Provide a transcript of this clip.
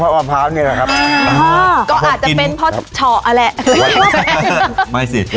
พ่อมะพร้าวนี่แหละครับอ่าก็อาจจะเป็นเพราะชออ่ะแหละไปสิ